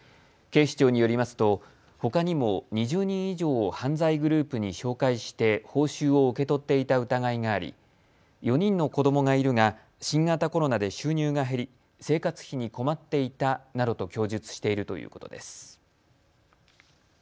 警視庁によりますとほかにも２０人以上を犯罪グループに紹介して報酬を受け取っていた疑いがあり４人の子どもがいるが新型コロナで収入が減り生活費に困っていたなどと供述しているということです。